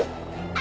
あ！